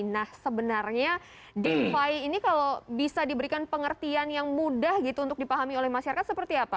nah sebenarnya defi ini kalau bisa diberikan pengertian yang mudah gitu untuk dipahami oleh masyarakat seperti apa